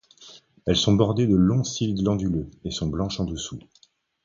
Elles sont bordées de longs cils glanduleux et sont blanches en dessous.